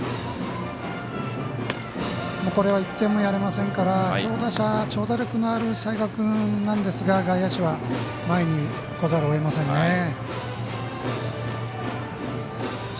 これは１点もやれませんから強打者、長打力のある齊賀君なんですが外野手は前に来ざるをえませんね。